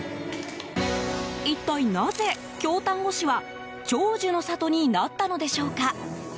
一体なぜ、京丹後市は長寿の里になったのでしょうか？